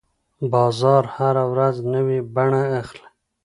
بازار هره ورځ نوې بڼه اخلي.